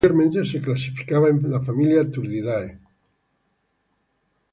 Anteriormente se clasificaba en la familia Turdidae.